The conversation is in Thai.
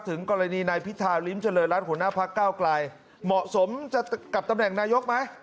ถึงกรณีนายพิธาริมเจริญรัฐหัวหน้าพักเก้าไกลเหมาะสมจะกับตำแหน่งนายกไหม